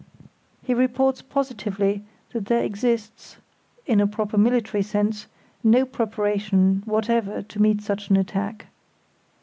He reports positively that there exist (in a proper military sense) no preparations whatever to meet such an attack.